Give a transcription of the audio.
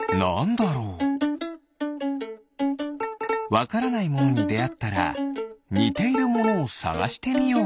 わからないものにであったらにているものをさがしてみよう！